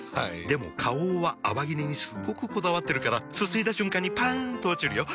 でも花王は泡切れにすっごくこだわってるからすすいだ瞬間にパン！と落ちるよ。